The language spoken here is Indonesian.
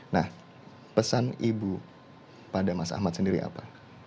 nah pesan ibu pada mas ahmad sendiri apa